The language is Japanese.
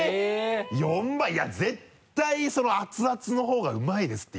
４倍いや絶対熱々の方がうまいですって。